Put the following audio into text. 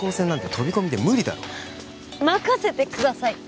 飛び込みで無理だろ任せてください